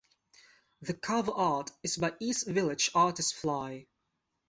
The cover art is by East Village artist Fly.